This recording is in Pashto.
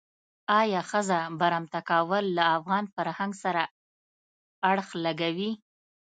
آیا ښځه برمته کول له افغان فرهنګ سره اړخ لګوي.